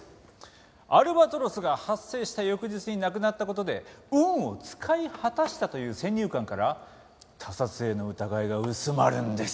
アルバトロスが発生した翌日に亡くなった事で運を使い果たしたという先入観から他殺への疑いが薄まるんです。